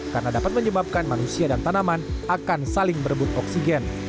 karena dapat menyebabkan manusia dan tanaman akan saling berebut oksigen